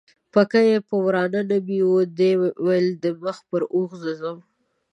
پکه یې په وراه نه بیوه، دې ویل د مخ پر اوښ زه ځم